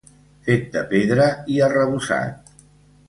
Fet de pedra i arrebossat.